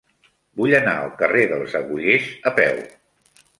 Vull anar al carrer dels Agullers a peu.